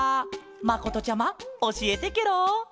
まことちゃまおしえてケロ。